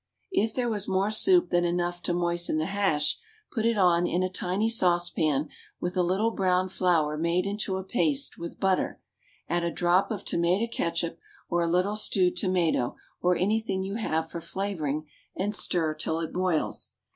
If there was more soup than enough to moisten the hash, put it on in a tiny saucepan, with a little brown flour made into a paste with butter, add a drop of tomato catsup, or a little stewed tomato, or anything you have for flavoring, and stir till it boils.